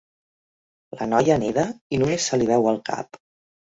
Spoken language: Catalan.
La noia neda i només se li veu el cap.